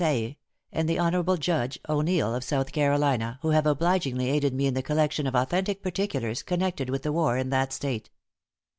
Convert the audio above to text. Saye, and the Hon. Judge O'Neall, of South Carolina, who have obligingly aided me in the collection of authentic particulars connected with the war in that State.